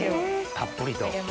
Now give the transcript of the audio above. たっぷりと。